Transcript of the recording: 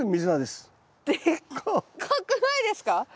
でっかくないですか？